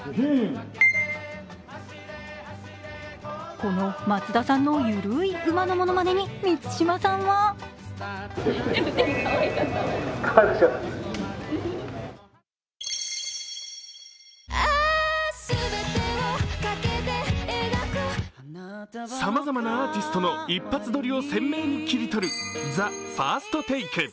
この松田さんの緩い馬のモノマネに満島さんはさまざまなアーティストの一発撮りを鮮明に切り取る「ＴＨＥＦＩＲＳＴＴＡＫＥ」。